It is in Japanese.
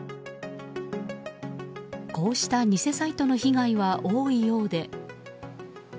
こうした偽サイトの被害は多いようで。